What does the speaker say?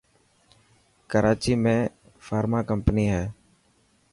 ڪراچي ۾ فارمان ڪمپني هي.